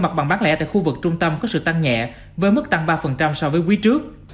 mặt bằng bán lẻ tại khu vực trung tâm có sự tăng nhẹ với mức tăng ba so với quý trước